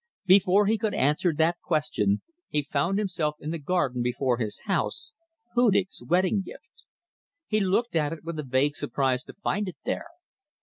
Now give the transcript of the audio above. Before he could answer that question he found himself in the garden before his house, Hudig's wedding gift. He looked at it with a vague surprise to find it there.